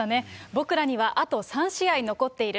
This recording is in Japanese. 僕らにはあと３試合残っている。